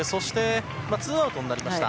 ツーアウトになりました。